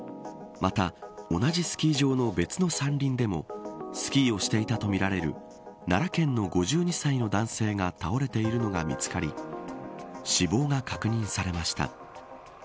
また同じスキー場の別の山林でもスキーをしていたとみられる奈良県の５２歳の男性が倒れているのが見つかり死亡が確認されました。